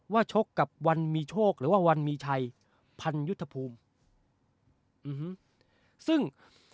ชกกับวันมีโชคหรือว่าวันมีชัยพันยุทธภูมิซึ่ง